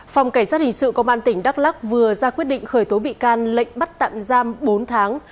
phòng cảnh sát hình sự công an tỉnh đắk lắc vừa ra quyết định khởi tố bị can lệnh bắt tạm giam bốn tháng